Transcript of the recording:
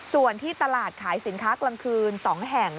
ส่วนที่ตลาดขายสินค้ากลางคืน๒แห่ง